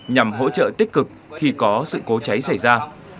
nhằm hỗ trợ tích cực khi có sự cố cháy xảy ra